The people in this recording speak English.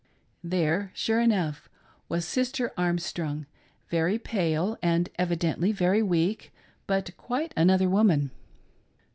There, sure enough, was Sister Armstrong, very pale, and evidently very weak, but quite another woman.